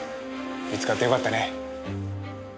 見つかってよかったね。